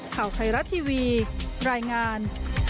ข่าวไทยรัฐทีวีรายงาน